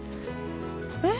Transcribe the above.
えっ？